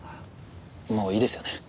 もういいですよね？